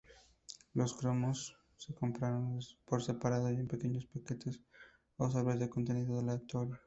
Los cromos se compran por separado en pequeños paquetes o sobres de contenido aleatorio.